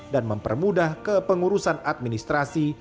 dan mempermudah kepengurusan administrasi